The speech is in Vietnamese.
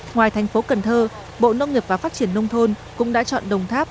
ngoài thành phố cần thơ bộ nông nghiệp và phát triển nông thôn cũng đã chọn đồng tháp